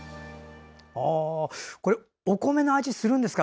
お米の味するんですか？